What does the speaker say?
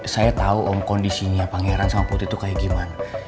saya tahu om kondisinya pangeran sama putri itu kayak gimana